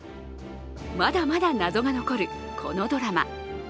まだまだ謎が残るこのドラマ。